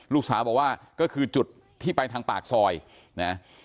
ลูกสาวบอกว่าก็คือจุดที่ไปทางปากซอยนะ